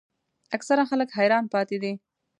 اکثره خلک حیران پاتې دي.